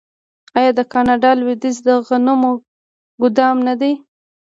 آیا د کاناډا لویدیځ د غنمو ګدام نه دی؟